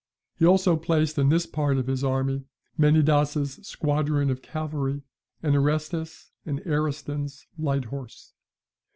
He also placed in this part of his army Menidas's squadron of cavalry, and Aretes's and Ariston's light horse.